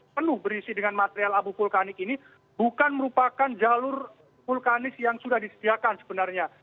penuh berisi dengan material abu vulkanik ini bukan merupakan jalur vulkanis yang sudah disediakan sebenarnya